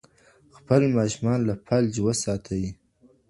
خپل ماشومان له فلج وساتئ.